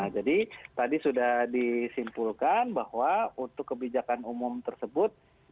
jadi tadi sudah disimpulkan bahwa untuk kebijakan umum tersebut